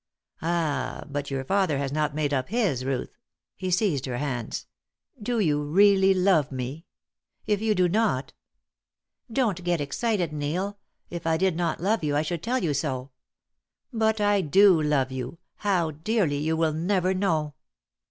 "Ah! but your father has not made up his, Ruth," he seized her hands, "do you really love me? If you do not " "Don't get excited, Neil. If I did not love you I should tell you so. But I do love you, how, dearly you will never know."